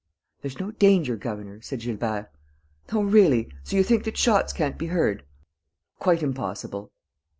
"There's no danger, governor," said Gilbert. "Oh, really?... So you think that shots can't be heard?..." "Quite impossible."